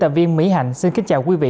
tạm biên mỹ hạnh xin kính chào quý vị